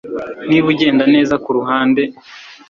niba ugenda neza kuruhande